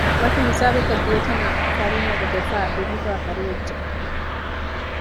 ވަކި ހިސާބަކަށް ދިޔަތަނާ ފަރީނާގެ ދެފައި ބިމުގައި ހަރުވެއްޖެ